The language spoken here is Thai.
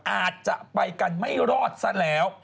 อาจจะไปกันไม่รอดซะแล้ว